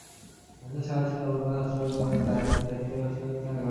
পাকিস্তানের সাবেক সেনাপ্রধান আশফাক পারভেজ কায়ানির দায়িত্বের মেয়াদ শেষ হচ্ছে আগামী মাসেই।